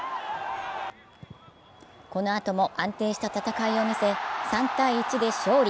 このあとも安定した戦いを見せ３ー１で勝利。